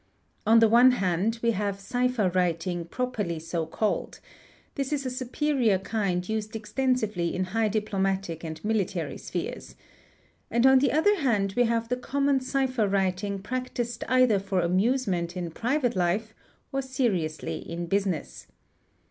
On the one hand we have cipher writing properly so called; this is a superior kind used extensively in high diplomatic and _ military spheres: and on the other hand we have the common cipher writing practised either for amusement in private life or seriously in _ business.